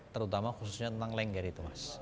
terutama khususnya tentang lengger itu mas